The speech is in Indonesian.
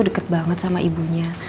deket banget sama ibunya